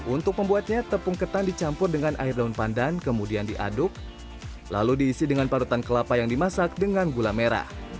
untuk membuatnya tepung ketan dicampur dengan air daun pandan kemudian diaduk lalu diisi dengan parutan kelapa yang dimasak dengan gula merah